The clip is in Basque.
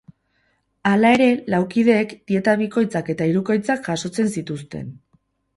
Hala ere, lau kideek dieta bikoitzak eta hirukoitzak jasotzen zituzten.